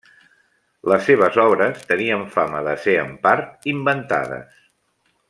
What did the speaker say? Les seves obres tenien fama de ser en part inventades.